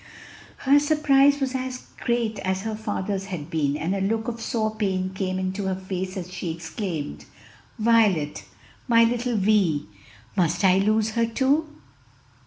Her surprise was as great as her father's had been, and a look of sore pain came into her face as she exclaimed, "Violet! my little Vi! must I lose her too?"